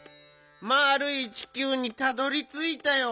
「まあるい地球にたどり着いたよ」